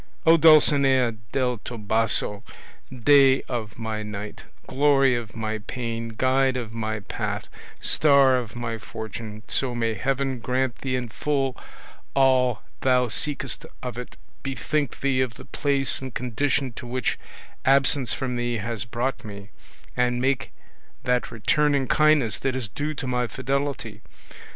Oh, Dulcinea del Toboso, day of my night, glory of my pain, guide of my path, star of my fortune, so may Heaven grant thee in full all thou seekest of it, bethink thee of the place and condition to which absence from thee has brought me, and make that return in kindness that is due to my fidelity!